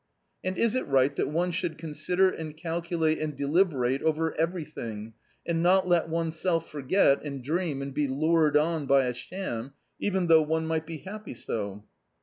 " And is it right that one should consider, and calculate and deliberate over everything and not let oneself forget, and dream and be lured on by a sham, even though one might be happy so